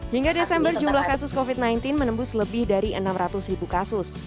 hingga desember jumlah kasus covid sembilan belas menembus lebih dari enam ratus ribu kasus